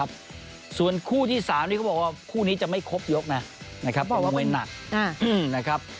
บอกว่าคู่นี้จะไม่ครบยกนะนะครับเป็นมวยหนัดนะครับ